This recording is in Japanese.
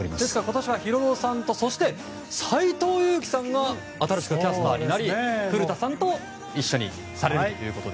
今年はヒロドさんと斎藤佑樹さんが新しくキャスターになり古田さんと一緒にされるということで。